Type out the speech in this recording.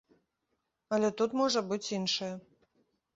Але тут можа быць іншае.